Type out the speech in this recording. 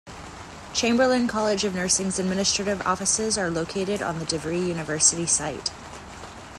Chamberlain College of Nursing's administrative offices are located on the DeVry University site.